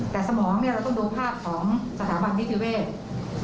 แต่สมองเนี่ยเราต้องดูภาพของสถาบันนิติเวศ